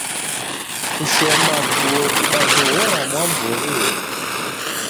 Kushoma vuo kudazoghora mwambori wodu.